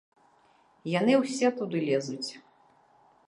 Яны ўсе туды лезуць.